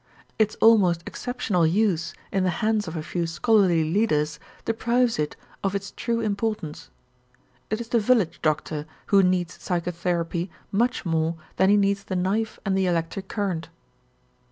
Its almost exceptional use in the hands of a few scholarly leaders deprives it of its true importance. It is the village doctor who needs psychotherapy much more than he needs the knife and the electric current.